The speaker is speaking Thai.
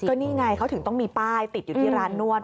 ก็นี่ไงเขาถึงต้องมีป้ายติดอยู่ที่ร้านนวด